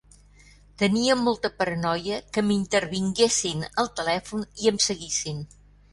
Tenia molta paranoia que m'intervinguessin el telèfon i em seguissin.